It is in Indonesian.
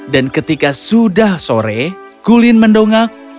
dan ketika sudah sore gullion mendongak